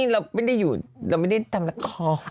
เราไม่ได้อยู่เราไม่ได้ทำละคร